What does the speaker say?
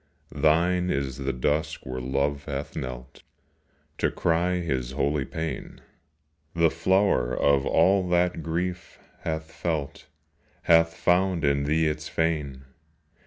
Thine is the dusk where Love hath knelt To cry his holy pain; The flower of all that Grief hath felt Hath found in thee its fane.